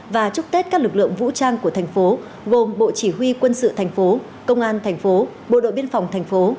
và chúc tết các lực lượng vũ trang của thành phố gồm bộ chỉ huy quân sự tp công an tp bộ đội biên phòng tp